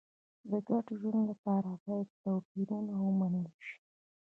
د ګډ ژوند لپاره باید توپیرونه ومنل شي.